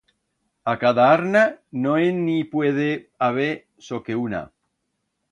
A cada arna no en i puede haber soque una.